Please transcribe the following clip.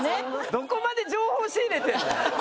どこまで情報仕入れてんだよ。